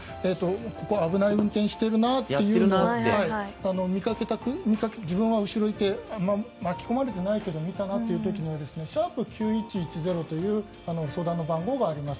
危ない運転をしているなと自分は後ろにいて巻き込まれてないけど見たなという時は「＃９１１０」という相談の番号があります。